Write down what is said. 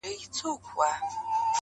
o د گوړي په ويلو خوله نه خوږېږي.